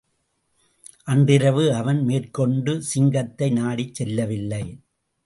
அன்றிரவு அவன் மேற்கொண்டு சிங்கத்தை நாடிச் செல்லவில்லை.